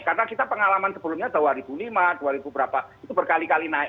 karena kita pengalaman sebelumnya dua ribu lima dua ribu berapa itu berkali kali naik